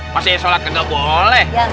masih sholat nggak boleh